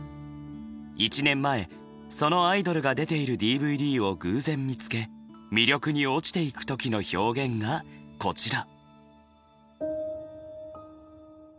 １年前そのアイドルが出ているＤＶＤを偶然見つけ魅力に落ちていく時の表現がこちら。